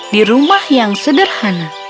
di rumah yang sederhana